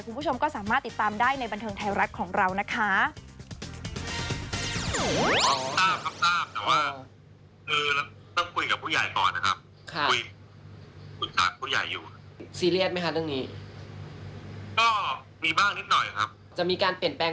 คุณผู้ชมก็สามารถติดตามได้ในบันเทิงไทยรัฐของเรานะคะ